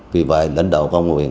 vì vậy lãnh đạo công an huyện